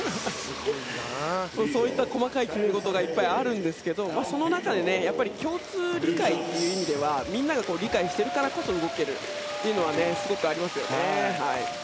そういった細かい決め事がいっぱいあるんですけどその中で共通理解という意味ではみんなが理解しているからこそ動けるというのはすごくありますよね。